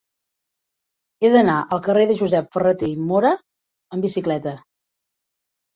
He d'anar al carrer de Josep Ferrater i Móra amb bicicleta.